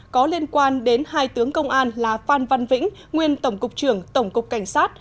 có liên quan đến hai tướng công an là phan văn vĩnh nguyên tổng cục trưởng tổng cục cảnh sát